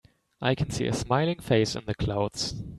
I can see a smiling face in the clouds.